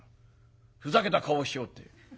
ふざけた顔をしおって。